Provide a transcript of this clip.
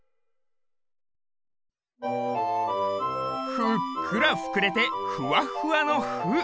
ふっくらふくれてふわふわの「ふ」